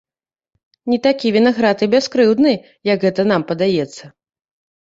Не такі вінаград і бяскрыўдны, як гэта нам падаецца.